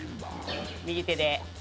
右手で。